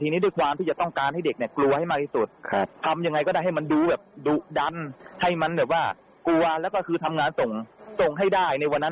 แต่ทีนี้ความที่จะต้องการให้เด็กในกรัวมากที่สุดครับทำอย่างไรก็ได้ให้มันดูดันให้มันเลยว่ากลัวแล้วก็คือทำงานส่งซ่งให้ได้ในวัน